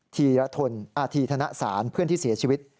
อาธีธนสารเพื่อนที่เสียชีวิต